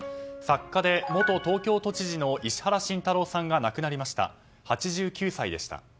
作家で元東京都知事の石原慎太郎さんが亡くなりました。